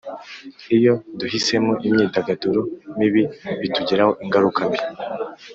Iyo duhisemo imyidagaduro mibi bitugiraho ingaruka mbi.